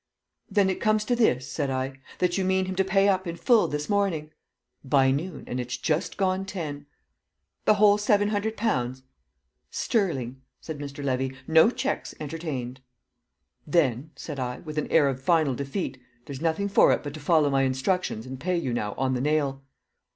"Then it comes to this," said I, "that you mean him to pay up in full this morning?" "By noon, and it's just gone ten." "The whole seven hundred pounds?" "Sterling," said Mr. Levy "No cheques entertained." "Then," said I, with an air of final defeat, "there's nothing for it but to follow my instructions and pay you now on the nail!"